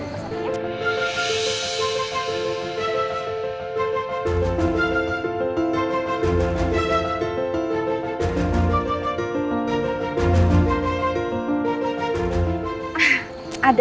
biar suasananya beda